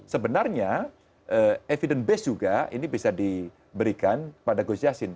sebenarnya evidence based juga ini bisa diberikan kepada guru jiahsin